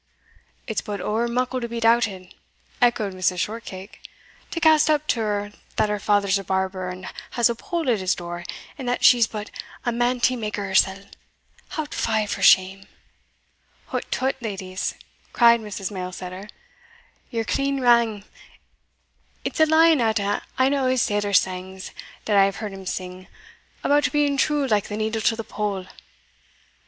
"It's but ower muckle to be doubted," echoed Mrs. Shortcake; "to cast up to her that her father's a barber and has a pole at his door, and that she's but a manty maker hersell! Hout fy for shame!" "Hout tout, leddies," cried Mrs. Mailsetter, "ye're clean wrang It's a line out o' ane o' his sailors' sangs that I have heard him sing, about being true like the needle to the pole."